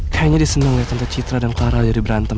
kayaknya dia seneng liat tante citra dan kelara ada di berantem